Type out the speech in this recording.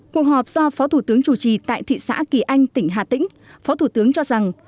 cuộc họp do phó thủ tướng chủ trì tại thị xã kỳ anh tỉnh hà tĩnh phó thủ tướng cho rằng